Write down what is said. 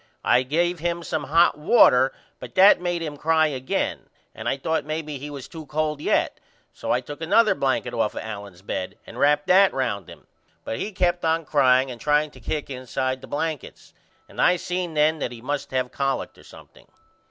I gave him some hot water but that made him cry again and I thought maybe he was to cold yet so I took another blanket off of Allen's bed and rapped that round him but he kept on crying and trying to kick inside the blankets. And I seen then that he must have collect or something.